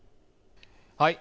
はい。